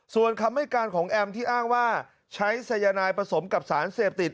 ส่วนคำให้การของแอมที่อ้างว่าใช้สายนายผสมกับสารเสพติด